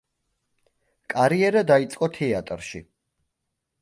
კარიერა დაიწყო თეატრში.